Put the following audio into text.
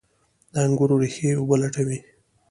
د انګورو ریښې اوبه لټوي.